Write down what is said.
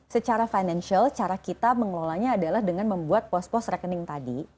secara financial cara kita mengelolanya adalah dengan membuat pos pos rekening tadi